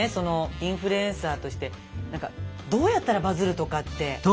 インフルエンサーとしてどうやったらバズるとかって。